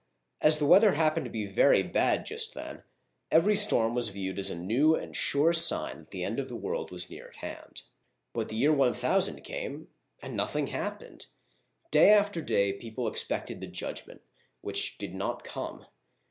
As the weather happened to be very bad just then, every storm was viewed as a new and sure sign that the end of the world was near at hand. But the year icxx) came, and nothing happened ! Day after day people expected the Judgment, which did not come.